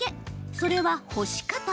それは、干し方。